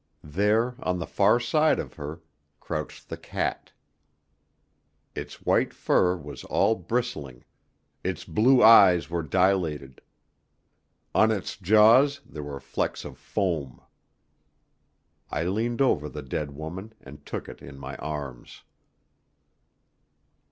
There, on the far side of her, crouched the cat. Its white fur was all bristling; its blue eyes were dilated; on its jaws there were flecks of foam. I leaned over the dead woman and took it in my arms.